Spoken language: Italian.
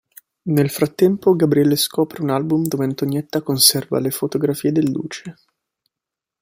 Nel frattempo Gabriele scopre un album dove Antonietta conserva le fotografie del Duce.